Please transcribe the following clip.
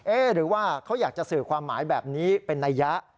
หรือว่าเขาอยากจะสื่อความหมายแบบนี้เป็นนัยยะ